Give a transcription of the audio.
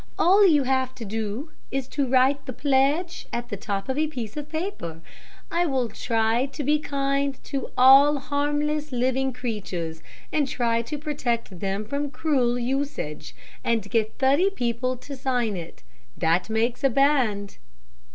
"All you have to do is to write the pledge at the top of a piece of paper: 'I will try to be kind to all harmless living creatures, and try to protect them from cruel usage,' and get thirty people to sign it. That makes a band.